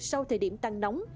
sau thời điểm tăng nóng